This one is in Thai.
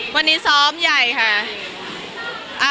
วันนี้ซ้อมใหญ่ค่ะ